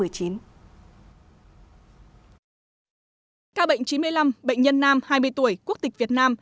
ca bệnh chín mươi năm bệnh nhân nam hai mươi tuổi quốc tịch việt nam